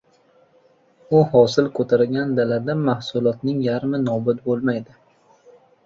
U hosil ko‘targan dalada mahsulotning yarmi nobud bo‘lmaydi.